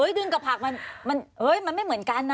โอ้ยดึงกับผักมันมันไม่เหมือนกันนะ